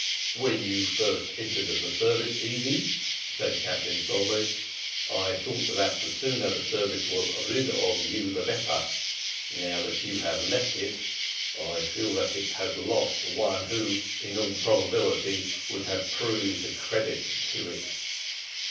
"When you first entered the service, Easy," said Captain Sawbridge, "I thought that the sooner the service was rid of you the better; now that you have left it, I feel that it has lost one, who, in all probability, would have proved a credit to it."